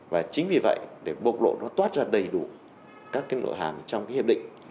và chính vì vậy để bộ lộ nó toát ra đầy đủ các nội hàng trong hiệp định